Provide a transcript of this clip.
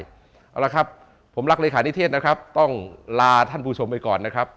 เอาละครับผมรักเลขานิเทศนะครับต้องลาท่านผู้ชมไปก่อนนะครับ